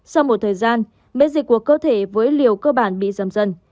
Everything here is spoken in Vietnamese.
sau một thời gian biễn dịch của cơ thể với liều cơ bản bị giầm dân